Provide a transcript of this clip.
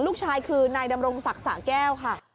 ลูกชายคือนายดำรงศักดิ์สะแก้วค่ะ